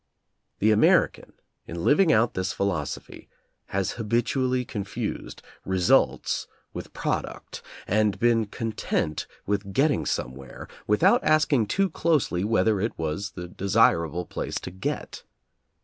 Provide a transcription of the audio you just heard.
The American, in living out this philosophy, has habitually confused results with product, and been content with getting somewhere without asking too closely whether it was the de sirable place to get.